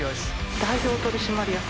代表取締役。